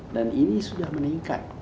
dan ini sudah meningkat